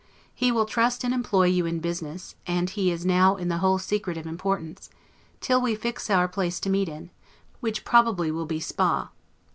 He will trust and employ you in business (and he is now in the whole secret of importance) till we fix our place to meet in: which probably will be Spa.